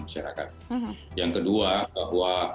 masyarakat yang kedua bahwa